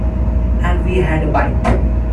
And we had a bite.